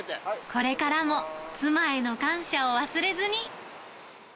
これからも妻への感謝を忘れずに。